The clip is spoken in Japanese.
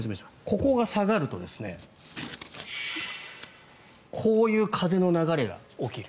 ここが下がるとこういう風の流れが起きる。